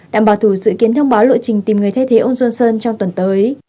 đảng bảo thủ dự kiến thông báo lộ trình tìm người thay thế ông johnson trong tuần tới